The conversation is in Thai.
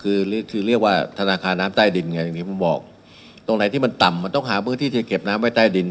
คือเรียกว่าธนาคาร้ำใต้ดินตรงไหนที่มันต่ำมันต้องหาเมื่อที่จะเก็บน้ำไว้ใต้ดิน